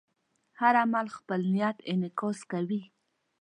هر عمل خپل نیت انعکاس کوي.